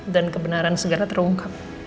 dan kebenaran segera terungkap